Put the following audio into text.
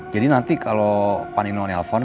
jadi nanti kalau pak nino nelfon